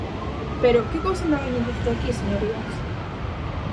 Pero ¡que cousa me veñen dicir aquí, señorías!